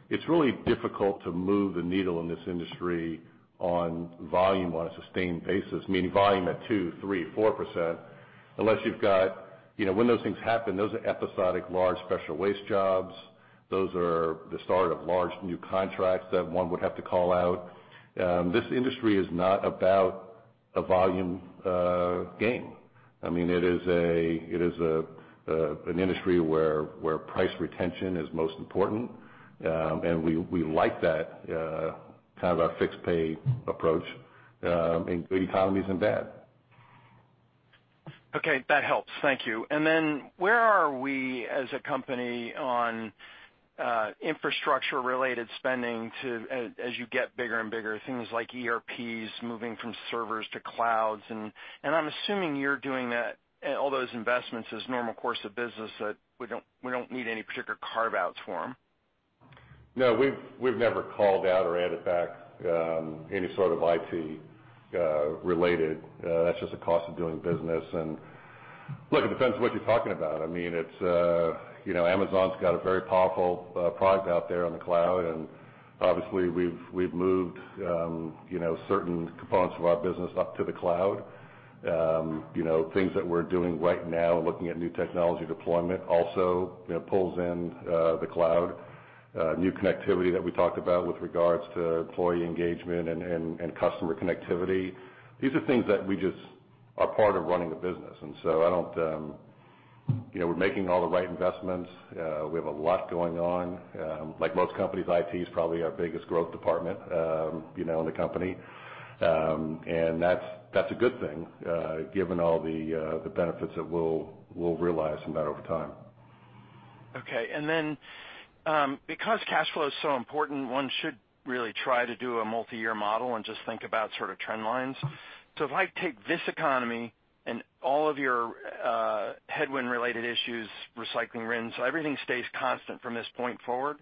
It's really difficult to move the needle in this industry on volume on a sustained basis, meaning volume at 2%, 3%, 4%. When those things happen, those are episodic large special waste jobs. Those are the start of large new contracts that one would have to call out. This industry is not about a volume game. It is an industry where price retention is most important. We like that kind of a fixed pay approach, in good economies and bad. Okay. That helps. Thank you. Where are we as a company on infrastructure-related spending as you get bigger and bigger, things like ERPs, moving from servers to clouds, and I'm assuming you're doing all those investments as normal course of business, that we don't need any particular carve-outs for them. We've never called out or added back any sort of IT-related. That's just a cost of doing business. Look, it depends on what you're talking about. Amazon's got a very powerful product out there on the cloud, and obviously we've moved certain components of our business up to the cloud. Things that we're doing right now, looking at new technology deployment also pulls in the cloud. New connectivity that we talked about with regards to employee engagement and customer connectivity, these are things that just are part of running a business. We're making all the right investments. We have a lot going on. Like most companies, IT is probably our biggest growth department in the company. That's a good thing, given all the benefits that we'll realize from that over time. Because cash flow is so important, one should really try to do a multi-year model and just think about sort of trend lines. If I take this economy and all of your headwind-related issues, recycling RINs, everything stays constant from this point forward.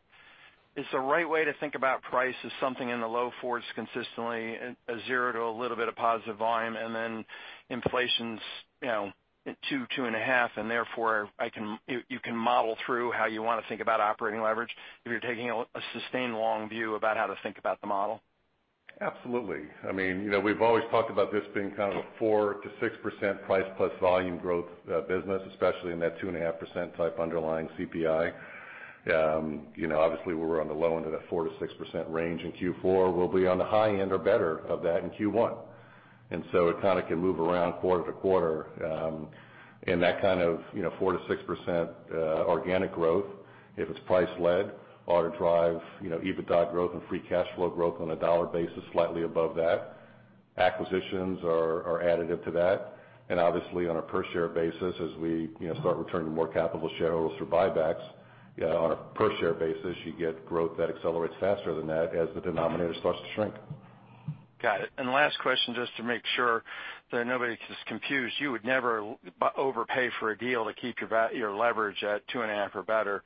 Is the right way to think about price as something in the low fours consistently, a zero to a little bit of positive volume, and then inflation's at 2.5%, and therefore you can model through how you want to think about operating leverage if you're taking a sustained long view about how to think about the model? Absolutely. We've always talked about this being kind of a 4%-6% price plus volume growth business, especially in that 2.5% type underlying CPI. Obviously, we're on the low end of that 4%-6% range in Q4. We'll be on the high end or better of that in Q1. It kind of can move around quarter to quarter. That kind of 4%-6% organic growth, if it's price led, ought to drive EBITDA growth and free cash flow growth on a dollar basis slightly above that. Acquisitions are additive to that. Obviously, on a per share basis, as we start returning more capital to shareholders through buybacks, on a per share basis, you get growth that accelerates faster than that as the denominator starts to shrink. Got it. Last question, just to make sure that nobody gets confused, you would never overpay for a deal to keep your leverage at 2.5% or better.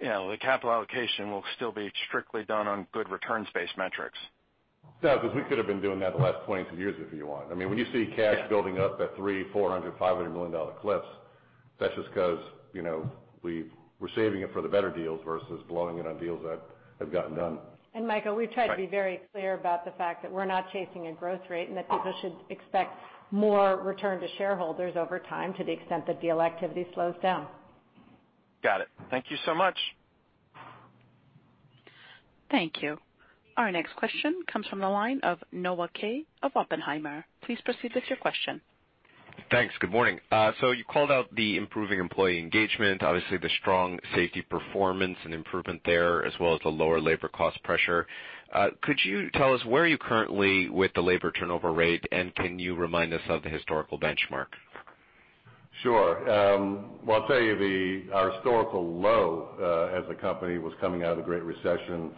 The capital allocation will still be strictly done on good returns-based metrics. No, because we could have been doing that the last 22 years if we wanted. When you see cash building up at $300 million, $400 million, $500 million cliffs, that's just because we're saving it for the better deals versus blowing it on deals that have gotten done. Michael, we try to be very clear about the fact that we're not chasing a growth rate and that people should expect more return to shareholders over time to the extent that deal activity slows down. Got it. Thank you so much. Thank you. Our next question comes from the line of Noah Kaye of Oppenheimer. Please proceed with your question. Thanks. Good morning. You called out the improving employee engagement, obviously the strong safety performance and improvement there, as well as the lower labor cost pressure. Could you tell us where are you currently with the labor turnover rate, and can you remind us of the historical benchmark? Sure. Well, I'll tell you, our historical low as a company was coming out of the Great Recession,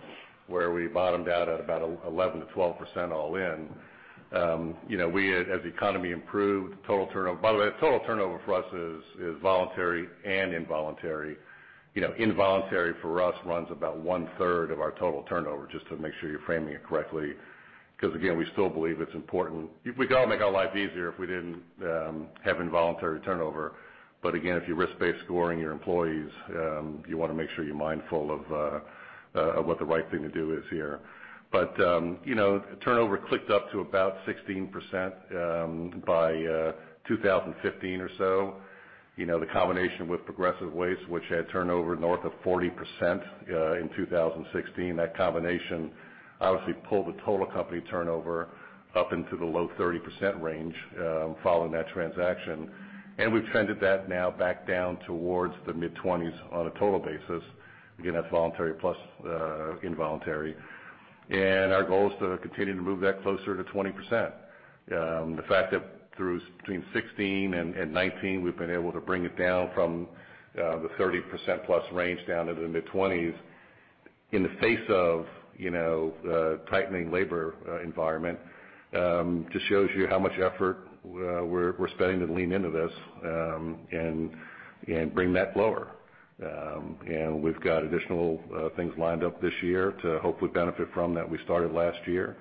where we bottomed out at about 11%-12% all in. As the economy improved, by the way, total turnover for us is voluntary and involuntary. Involuntary for us runs about one-third of our total turnover, just to make sure you're framing it correctly, because again, we still believe it's important. We could all make our lives easier if we didn't have involuntary turnover. Again, if you're risk-based scoring your employees, you want to make sure you're mindful of what the right thing to do is here. Turnover clicked up to about 16% by 2015 or so. The combination with Progressive Waste, which had turnover north of 40% in 2016, that combination obviously pulled the total company turnover up into the low 30% range following that transaction. We've trended that now back down towards the mid-20s on a total basis. Again, that's voluntary plus involuntary. Our goal is to continue to move that closer to 20%. The fact that between 2016 and 2019, we've been able to bring it down from the 30% plus range down to the mid-20s in the face of the tightening labor environment just shows you how much effort we're spending to lean into this and bring that lower. We've got additional things lined up this year to hopefully benefit from that we started last year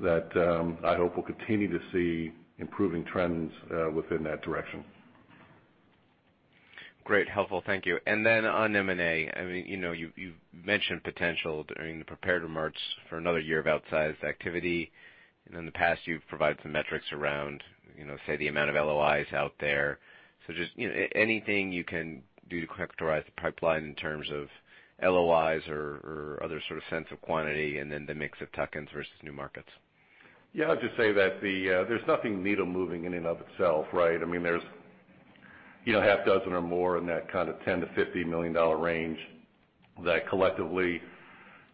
that I hope will continue to see improving trends within that direction. Great. Helpful. Thank you. On M&A, you've mentioned potential during the prepared remarks for another year of outsized activity. In the past, you've provided some metrics around, say, the amount of LOIs out there. Anything you can do to characterize the pipeline in terms of LOIs or other sort of sense of quantity, and then the mix of tuck-ins versus new markets? Yeah, I'll just say that there's nothing needle moving in and of itself, right? There's a half dozen or more in that kind of $10 million-$50 million range that collectively,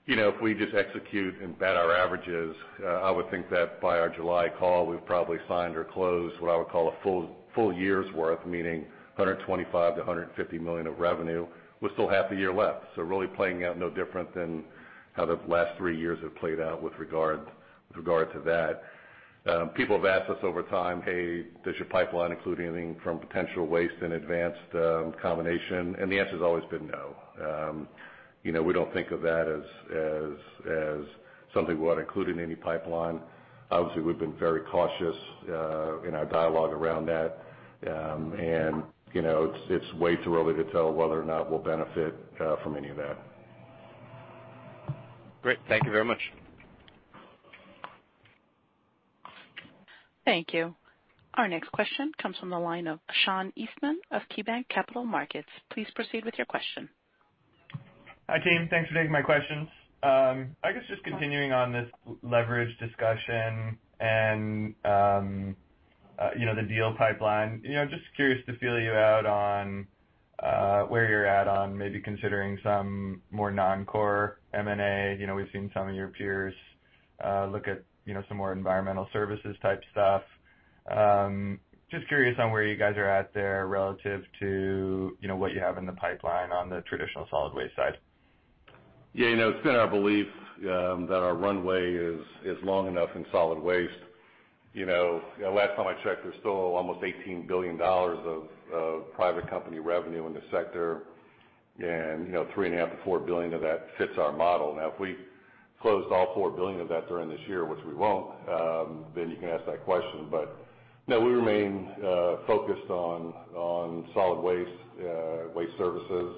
if we just execute and bat our averages, I would think that by our July call, we've probably signed or closed what I would call a full year's worth, meaning $125 million-$150 million of revenue. We still have the year left. Really playing out no different than how the last three years have played out with regard to that. People have asked us over time, "Hey, does your pipeline include anything from Penn Waste and Advanced Disposal?" The answer's always been no. We don't think of that as something we want included in any pipeline. Obviously, we've been very cautious in our dialogue around that, and it's way too early to tell whether or not we'll benefit from any of that. Great. Thank you very much. Thank you. Our next question comes from the line of Sean Eastman of KeyBanc Capital Markets. Please proceed with your question. Hi, team. Thanks for taking my questions. I guess just continuing on this leverage discussion and the deal pipeline, just curious to feel you out on where you're at on maybe considering some more non-core M&A. We've seen some of your peers look at some more environmental services type stuff. Just curious on where you guys are at there relative to what you have in the pipeline on the traditional solid waste side. It's been our belief that our runway is long enough in solid waste. Last time I checked, there's still almost $18 billion of private company revenue in the sector, and $3.5 billion-$4 billion of that fits our model. If we closed all $4 billion of that during this year, which we won't, you can ask that question. No, we remain focused on solid waste services.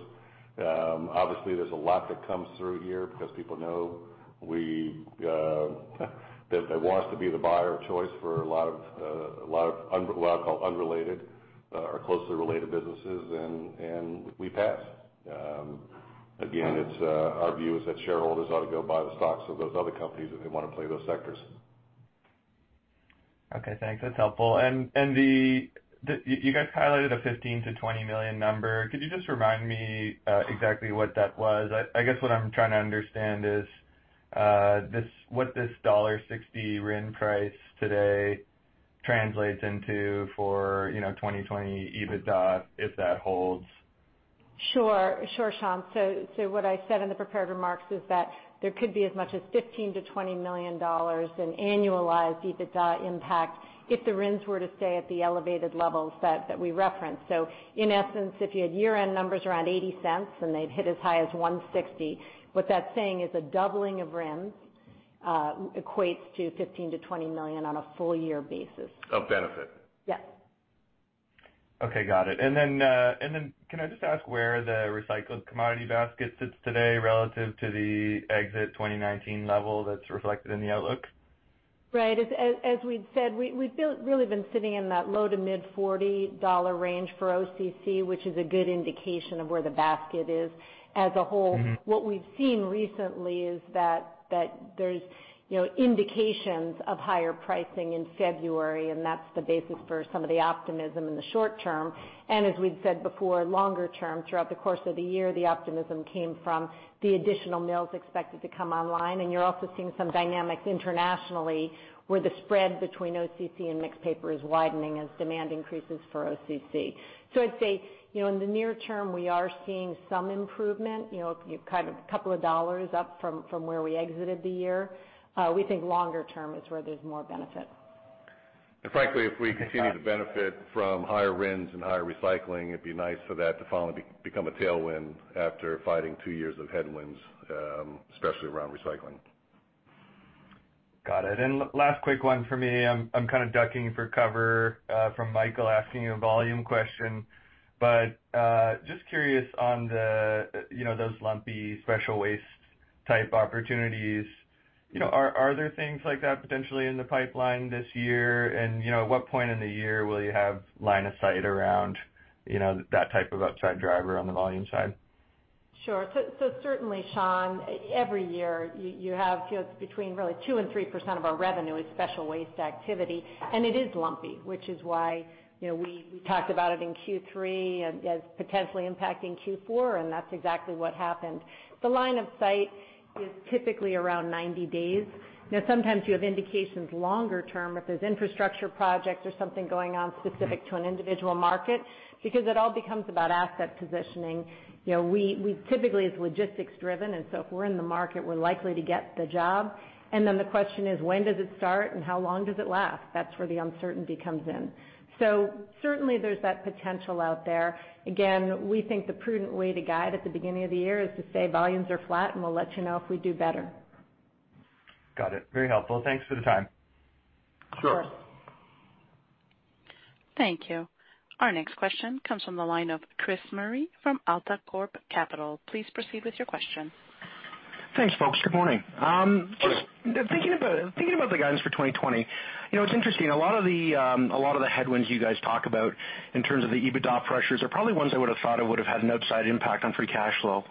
There's a lot that comes through here because people know they want us to be the buyer of choice for a lot of what I'll call unrelated or closely related businesses, and we pass. Our view is that shareholders ought to go buy the stocks of those other companies if they want to play those sectors. Okay, thanks. That's helpful. You guys highlighted a $15 million-$20 million number. Could you just remind me exactly what that was? I guess what I'm trying to understand is what this $1.60 RIN price today translates into for 2020 EBITDA, if that holds. Sure, Sean. What I said in the prepared remarks is that there could be as much as $15 million-$20 million in annualized EBITDA impact if the RINs were to stay at the elevated levels that we referenced. In essence, if you had year-end numbers around $0.80 and they'd hit as high as $1.60, what that's saying is a doubling of RINs equates to $15 million-$20 million on a full year basis. Of benefit. Yes. Okay, got it. Can I just ask where the recycled commodity basket sits today relative to the exit 2019 level that's reflected in the outlook? Right. As we'd said, we've really been sitting in that low to mid $40 range for OCC, which is a good indication of where the basket is as a whole. What we've seen recently is that there's indications of higher pricing in February, and that's the basis for some of the optimism in the short term. As we'd said before, longer term, throughout the course of the year, the optimism came from the additional mills expected to come online. You're also seeing some dynamics internationally where the spread between OCC and mixed paper is widening as demand increases for OCC. I'd say, in the near term, we are seeing some improvement, kind of a couple of dollars up from where we exited the year. We think longer term is where there's more benefit. Frankly, if we continue to benefit from higher RINs and higher recycling, it'd be nice for that to finally become a tailwind after fighting two years of headwinds, especially around recycling. Got it. Last quick one for me. I'm kind of ducking for cover from Michael asking you a volume question, just curious on those lumpy special waste type opportunities. Are there things like that potentially in the pipeline this year? At what point in the year will you have line of sight around that type of upside driver on the volume side? Sure. Certainly, Sean, every year, you have between really 2% and 3% of our revenue is special waste activity. It is lumpy, which is why we talked about it in Q3 as potentially impacting Q4, and that's exactly what happened. The line of sight is typically around 90 days. Sometimes you have indications longer term if there's infrastructure projects or something going on specific to an individual market, because it all becomes about asset positioning. We typically, it's logistics driven, if we're in the market, we're likely to get the job. The question is, when does it start and how long does it last? That's where the uncertainty comes in. Certainly there's that potential out there. We think the prudent way to guide at the beginning of the year is to say volumes are flat, and we'll let you know if we do better. Got it. Very helpful. Thanks for the time. Sure. Sure. Thank you. Our next question comes from the line of Chris Murray from AltaCorp Capital. Please proceed with your question. Thanks, folks. Good morning. Sure. Just thinking about the guidance for 2020, it's interesting. A lot of the headwinds you guys talk about in terms of the EBITDA pressures are probably ones I would've thought would've had an upside impact on free cash flow.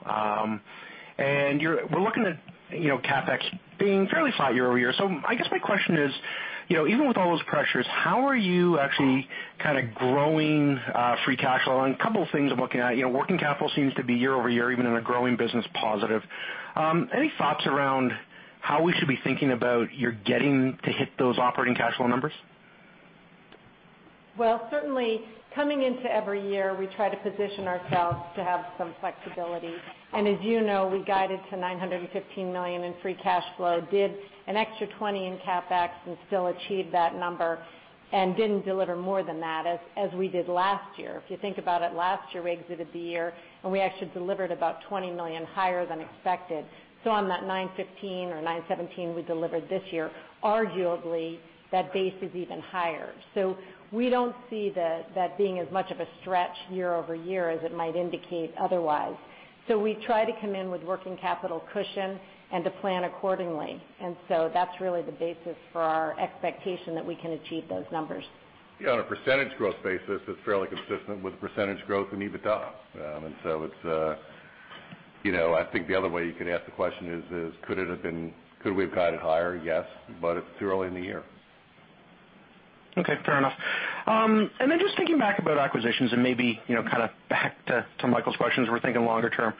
We're looking at CapEx being fairly flat year-over-year. I guess my question is, even with all those pressures, how are you actually kind of growing free cash flow? A couple of things I'm looking at. Working capital seems to be year-over-year, even in a growing business, positive. Any thoughts around how we should be thinking about your getting to hit those operating cash flow numbers? Well, certainly coming into every year, we try to position ourselves to have some flexibility. As you know, we guided to $915 million in free cash flow, did an extra $20 in CapEx and still achieved that number and didn't deliver more than that as we did last year. If you think about it, last year, we exited the year, and we actually delivered about $20 million higher than expected. On that $915 million or $917 million we delivered this year, arguably that base is even higher. We don't see that being as much of a stretch year-over-year as it might indicate otherwise. We try to come in with working capital cushion and to plan accordingly. That's really the basis for our expectation that we can achieve those numbers. On a percentage growth basis, it's fairly consistent with percentage growth in EBITDA. I think the other way you could ask the question is, could we have guided higher? Yes, but it's too early in the year. Okay, fair enough. Then just thinking back about acquisitions and maybe kind of back to Michael's questions, we're thinking longer term.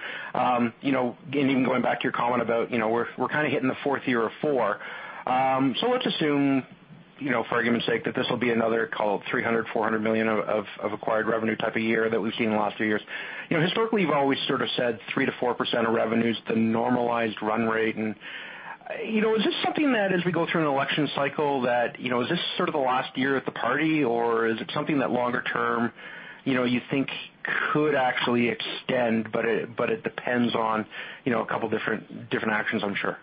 Even going back to your comment about we're kind of hitting the fourth year of four. Let's assume, for argument's sake, that this will be another call it $300 million-$400 million of acquired revenue type of year that we've seen in the last few years. Historically, you've always sort of said 3%-4% of revenue is the normalized run rate. Is this something that as we go through an election cycle that, is this sort of the last year at the party, or is it something that longer term, you think could actually extend, but it depends on a couple different actions, I'm sure?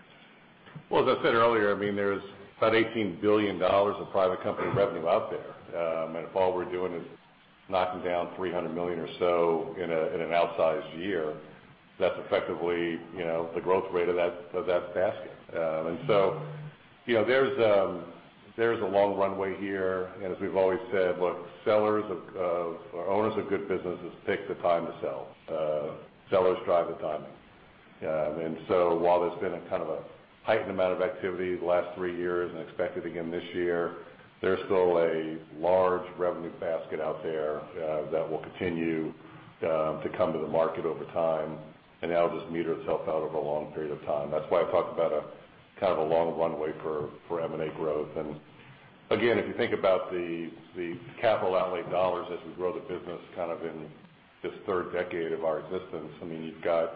Well, as I said earlier, there's about $18 billion of private company revenue out there. If all we're doing is knocking down $300 million or so in an outsized year, that's effectively the growth rate of that basket. There's a long runway here, and as we've always said, look, owners of good businesses pick the time to sell. Sellers drive the timing. While there's been a kind of a heightened amount of activity the last three years and expected again this year, there's still a large revenue basket out there that will continue to come to the market over time, and that'll just meter itself out over a long period of time. That's why I talk about kind of a long runway for M&A growth. If you think about the capital outlay dollars as we grow the business kind of in this third decade of our existence, I mean, you've got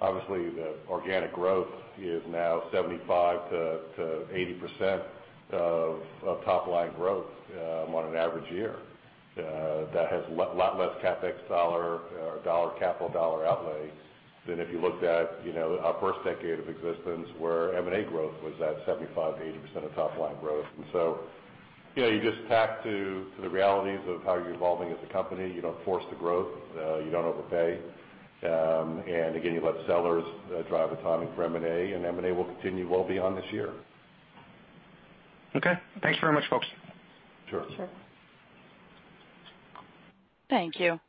obviously the organic growth is now 75%-80% of top-line growth on an average year. That has a lot less CapEx dollar or capital dollar outlay than if you looked at our first decade of existence where M&A growth was at 75%, 80% of top-line growth. You just tack to the realities of how you're evolving as a company. You don't force the growth. You don't overpay. You let sellers drive the timing for M&A, and M&A will continue well beyond this year. Okay. Thanks very much, folks. Sure. Sure. Thank you.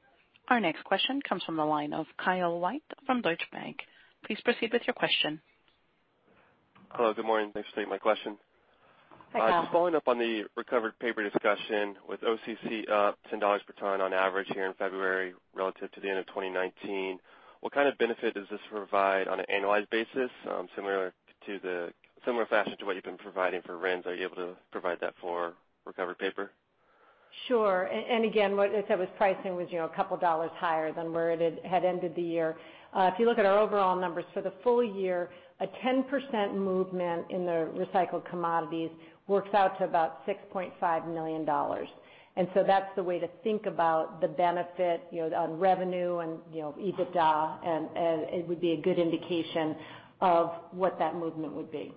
Our next question comes from the line of Kyle White from Deutsche Bank. Please proceed with your question. Hello, good morning. Thanks for taking my question. Hi, Kyle. Just following up on the recovered paper discussion with OCC up $10 per ton on average here in February relative to the end of 2019. What kind of benefit does this provide on an annualized basis, similar fashion to what you've been providing for RINs? Are you able to provide that for recovered paper? Sure. Again, what I said was pricing was a couple of dollars higher than where it had ended the year. If you look at our overall numbers for the full year, a 10% movement in the recycled commodities works out to about $6.5 million. That's the way to think about the benefit on revenue and EBITDA, and it would be a good indication of what that movement would be.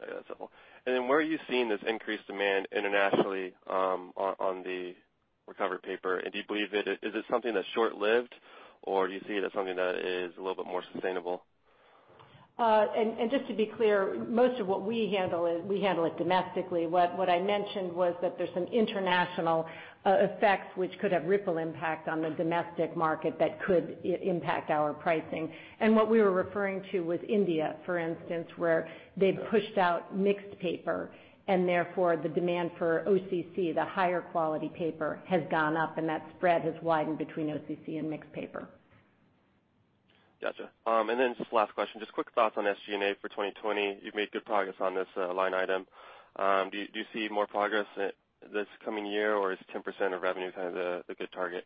Yeah, that's helpful. Where are you seeing this increased demand internationally on the recovered paper? Do you believe Is it something that's short-lived, or do you see it as something that is a little bit more sustainable? Just to be clear, most of what we handle, we handle it domestically. What I mentioned was that there's some international effects which could have ripple impact on the domestic market that could impact our pricing. What we were referring to was India, for instance, where they've pushed out mixed paper, and therefore the demand for OCC, the higher quality paper, has gone up and that spread has widened between OCC and mixed paper. Gotcha. Just the last question, just quick thoughts on SG&A for 2020. You've made good progress on this line item. Do you see more progress this coming year, or is 10% of revenue kind of the good target?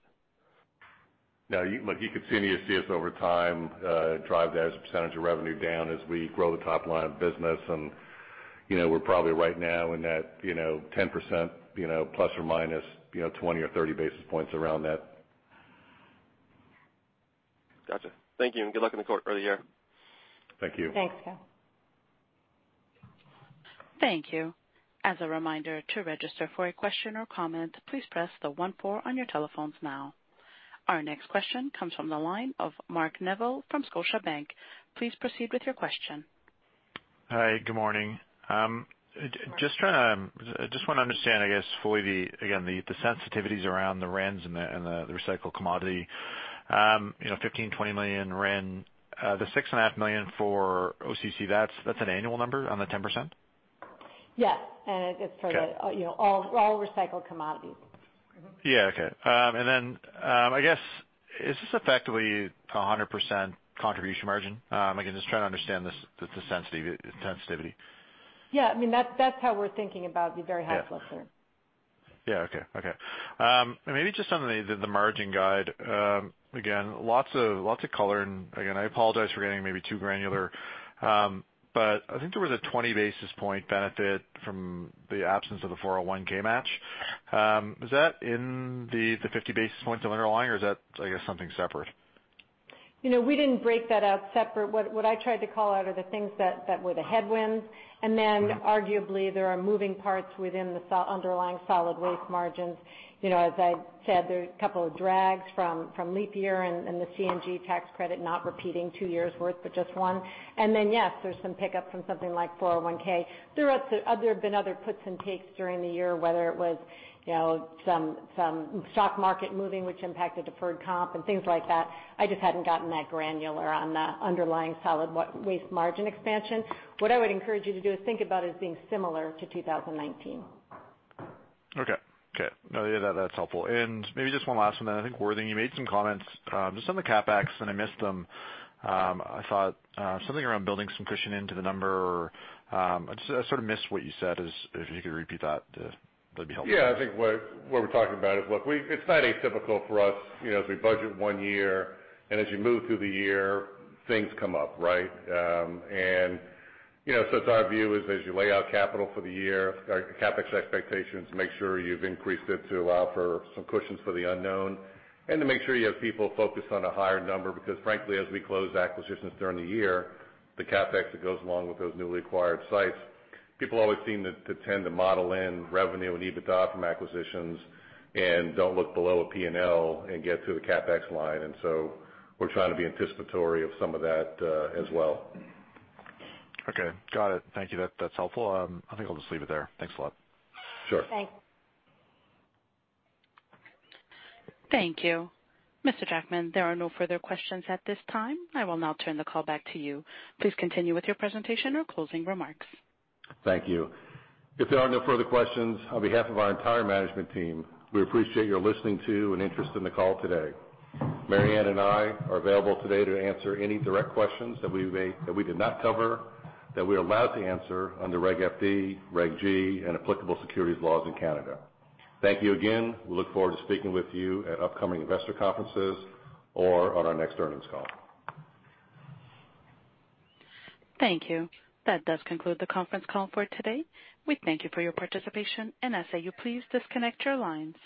No, you could continue to see us over time drive that as a percentage of revenue down as we grow the top line of business. We're probably right now in that 10%, ±20 or 30 basis points around that. Gotcha. Thank you, and good luck for the year. Thank you. Thanks, Kyle. Thank you. As a reminder, to register for a question or comment, please press the one four on your telephones now. Our next question comes from the line of Mark Neville from Scotiabank. Please proceed with your question. Hi, good morning. Good morning. Just want to understand, I guess, fully the, again, the sensitivities around the RINs and the recycled commodity. $15 million, $20 million RIN. The $6.5 million for OCC, that's an annual number on the 10%? Yes. Okay. It's for all recycled commodities. Yeah, okay. Then, I guess, is this effectively 100% contribution margin? Again, just trying to understand the sensitivity. Yeah, that's how we're thinking about the very high cluster. Yeah, okay. Maybe just on the margin guide, again, lots of color. Again, I apologize for getting maybe too granular, I think there was a 20 basis point benefit from the absence of the 401(k) match. Is that in the 50 basis points of underlying or is that, I guess, something separate? We didn't break that out separate. What I tried to call out are the things that were the headwinds. Yeah. Arguably, there are moving parts within the underlying solid waste margins. As I said, there's a couple of drags from leap year and the CNG tax credit not repeating two years' worth, but just one. Yes, there's some pickup from something like 401(k). There have been other puts and takes during the year, whether it was some stock market moving, which impacted deferred comp and things like that. I just hadn't gotten that granular on the underlying solid waste margin expansion. What I would encourage you to do is think about it as being similar to 2019. Okay. That's helpful. Maybe just one last one, and I think, Worthing, you made some comments just on the CapEx, and I missed them. I thought something around building some cushion into the number. I sort of missed what you said. If you could repeat that'd be helpful. Yeah, I think what we're talking about is, look, it's not atypical for us as we budget one year, as you move through the year, things come up, right? It's our view is as you lay out capital for the year, our CapEx expectations, make sure you've increased it to allow for some cushions for the unknown and to make sure you have people focused on a higher number. Because frankly, as we close acquisitions during the year, the CapEx that goes along with those newly acquired sites, people always seem to tend to model in revenue and EBITDA from acquisitions and don't look below a P&L and get to the CapEx line. We're trying to be anticipatory of some of that as well. Okay, got it. Thank you. That's helpful. I think I'll just leave it there. Thanks a lot. Sure. Thanks. Thank you. Mr. Jackman, there are no further questions at this time. I will now turn the call back to you. Please continue with your presentation or closing remarks. Thank you. If there are no further questions, on behalf of our entire management team, we appreciate your listening to and interest in the call today. Mary Anne and I are available today to answer any direct questions that we did not cover that we are allowed to answer under Regulation FD, Regulation G, and applicable securities laws in Canada. Thank you again. We look forward to speaking with you at upcoming investor conferences or on our next earnings call. Thank you. That does conclude the conference call for today. We thank you for your participation, and I say you please disconnect your lines.